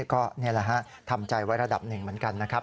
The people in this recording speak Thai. ก็นี่แหละฮะทำใจไว้ระดับหนึ่งเหมือนกันนะครับ